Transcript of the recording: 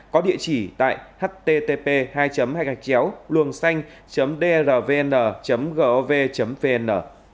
có địa chỉ tại http luongxanh drvn gov vn